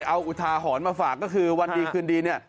เอาอุทาหรณ์มาฝากก็คือวันดีคืนดีเนี่ย